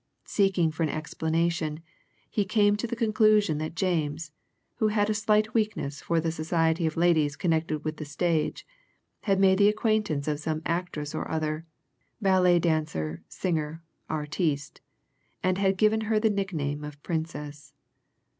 Seeking for an explanation, he came to the conclusion that James, who had a slight weakness for the society of ladies connected with the stage, had made the acquaintance of some actress or other, ballet dancer, singer, artiste, and had given her the nickname of Princess.